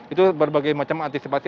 itu berbagai macam antisipasi